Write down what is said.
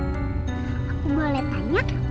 aku boleh tanya